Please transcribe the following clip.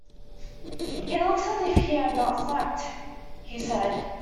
"He looks as if he had not slept," he said.